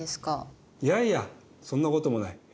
いやいやそんなこともない。